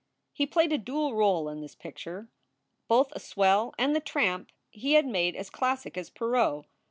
He played a dual role in this picture, both a swell and the tramp he had made as classic as Pierrot.